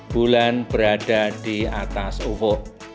bulan berada di atas ufuk